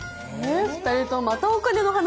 ２人ともまたお金の話？